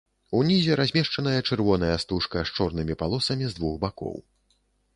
Унізе размешчаная чырвоная стужка з чорнымі палосамі з двух бакоў.